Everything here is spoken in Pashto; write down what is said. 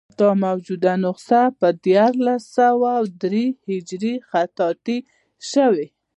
دا موجوده نسخه په دیارلس سوه درې هجري خطاطي شوې.